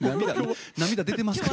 涙出てますか？